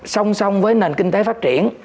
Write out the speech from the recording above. song song với nền kinh tế phát triển